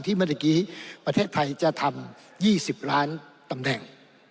เมื่อตะกี้ประเทศไทยจะทำ๒๐ล้านตำแหน่ง